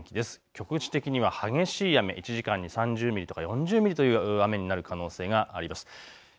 局地的には激しい雨、１時間に３０ミリとか４０ミリの雨になる可能性があります。